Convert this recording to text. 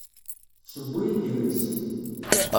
Tesseww-iyi-d imensi.